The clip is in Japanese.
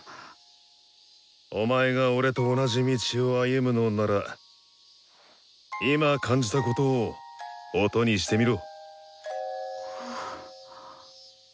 お前が俺と同じ道を歩むのなら今感じたことを音にしてみろ！